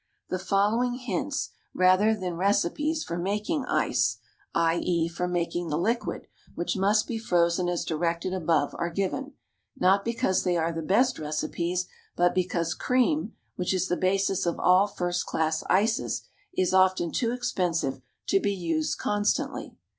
The following hints, rather than recipes, for making ices, i.e., for making the liquid, which must be frozen as directed above, are given, not because they are the best recipes, but because cream, which is the basis of all first class ices, is often too expensive to be used constantly.